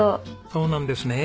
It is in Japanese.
そうなんですね。